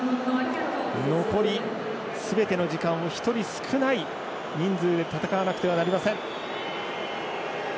残り、すべての時間を１人、少ない人数で戦わなくてはなりません。